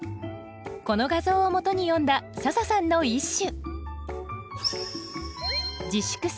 この画像をもとに詠んだ笹さんの一首